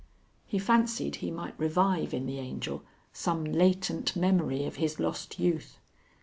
He fancied he might revive in the Angel some latent memory of his lost youth.